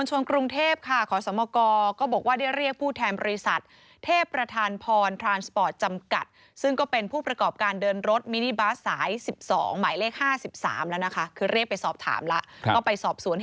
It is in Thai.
มันก็ไม่อยากทะเลาะกับใครหรอกครับ